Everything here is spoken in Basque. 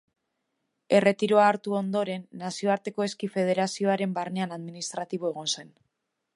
Erretiroa hartu ondoren, Nazioarteko Eski Federazioaren barnean administratibo egon zen.